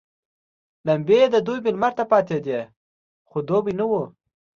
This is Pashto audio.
لمبې يې د دوبي لمر ته پاتېدې خو دوبی نه وو.